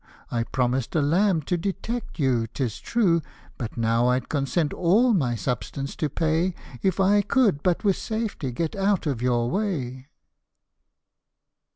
I promised a lamb to detect you, 'tis true ; But now I'd consent all my substance to pay, If I could but with safety get out of your way."